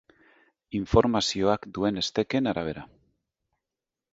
Informazioak duen esteken arabera.